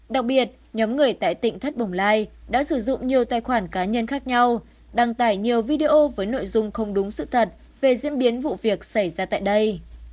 đặc biệt nhóm người tại tỉnh thất bồng lai đã sử dụng nhiều tài khoản cá nhân khác nhau đăng tải nhiều video với nội dung không đúng sự thật về diễn biến vụ việc xảy ra tại đây